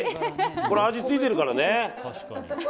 これ味付いてるからね。